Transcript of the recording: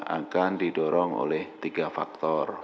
akan didorong oleh tiga faktor